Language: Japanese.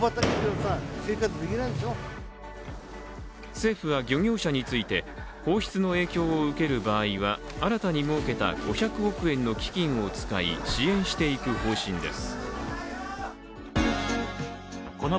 政府は漁業者について放出の影響を受ける場合は新たに設けた５００億円の基金を使い支援していく方針です。